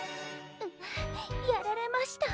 ううやられました。